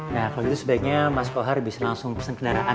nah kalau gitu sebaiknya mas kohar bisa langsung pesan kendaraan